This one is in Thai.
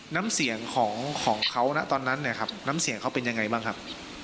น้ำเสียงของเขานะตอนนั้นเนี่ยครับน้ำเสียงเขาเป็นยังไงบ้างครับ